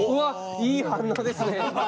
いい反応ですね。